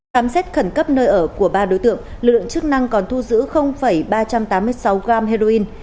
khám xét khẩn cấp nơi ở của ba đối tượng lực lượng chức năng còn thu giữ ba trăm tám mươi sáu gram heroin